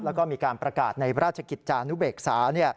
แล้วก็มีการประกาศในราชกิจจานุเบกษา